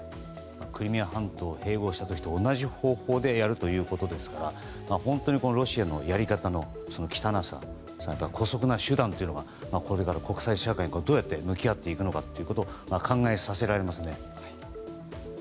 クリミア半島を併合した時と同じ方法でやるということですからロシアのやり方の汚さ、姑息な手段というものとこれから国際社会がどうやって向き合っていくのか考えさせられますね。